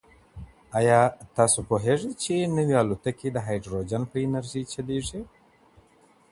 ایا تاسو پوهېږئ چې نوې الوتکې د هایدروجن په انرژۍ چلیږي؟